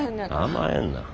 甘えんな。